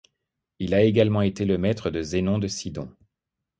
Il a également été le maître de Zénon de Sidon.